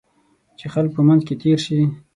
چې خلک په منځ کې تېر شي.